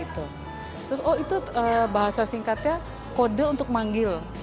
terus oh itu bahasa singkatnya kode untuk manggil